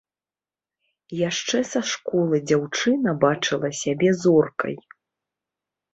Яшчэ са школы дзяўчына бачыла сябе зоркай.